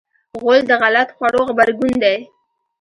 غول د غلط خوړو غبرګون دی.